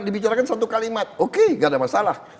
dibicarakan satu kalimat oke gak ada masalah